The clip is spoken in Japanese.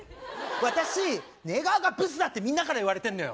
私寝顔がブスだってみんなから言われてんのよ。